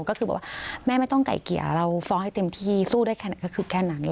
ก็คือแม่ไม่ต้องไก่เกียร์เราฟ้องให้เต็มที่สู้ได้แค่นั้น